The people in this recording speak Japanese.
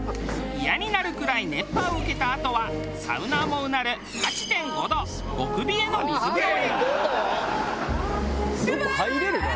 イヤになるくらい熱波を受けたあとはサウナーもうなる８．５度極冷えの水風呂へ。